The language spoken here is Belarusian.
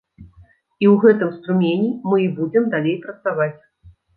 І ў гэтым струмені мы і будзем далей працаваць.